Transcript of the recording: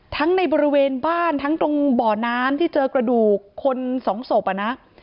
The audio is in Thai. ในบริเวณบ้านทั้งตรงบ่อน้ำที่เจอกระดูกคนสองศพอ่ะนะ